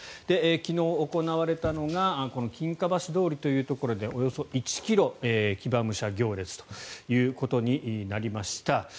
昨日行われたのがこの金華橋通りというところでおよそ１ｋｍ、騎馬武者行列ということになりました。